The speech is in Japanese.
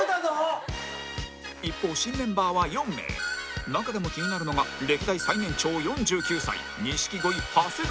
一方新メンバーは４名中でも気になるのが歴代最年長４９歳錦鯉長谷川